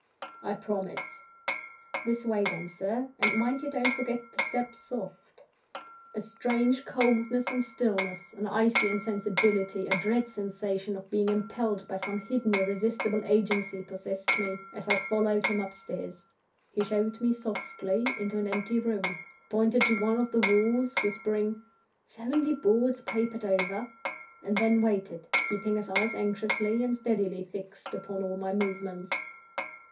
"I promise." "This way then, Sir and mind you don't forget to step soft." A strange coldness and stillness, an icy insensibility, a dream sensation of being impelled by some hidden, irresistible agency, possessed me, as I followed him upstairs. He showed me softly into an empty room; pointed to one of the walls, whispering, "It's only boards papered over " and then waited, keeping his eyes anxiously and steadily fixed upon all my movements.